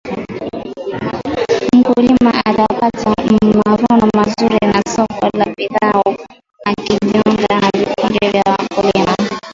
mkulima atapata mavuno mazuri na soko la bidha akijiunga na vikundi vya wakulima